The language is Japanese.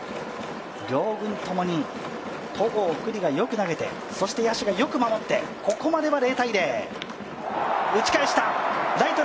両軍共に戸郷、九里がよく投げて、そして野手がよく守って、ここまでは０−０。